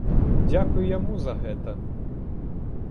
Дзякуй яму за гэта!